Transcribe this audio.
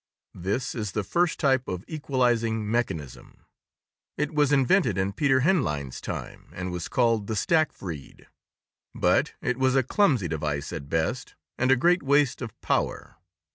This is the first type of equalizing mechanism; it was invented in Peter Henlein's time and was called the stackfreed; but it was a clumsy device at best and a great waste of power.